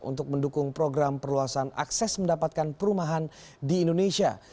untuk mendukung program perluasan akses mendapatkan perumahan di indonesia